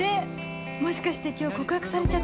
もしかして今日告白されちゃったりして